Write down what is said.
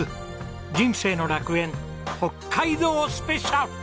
『人生の楽園』北海道スペシャル！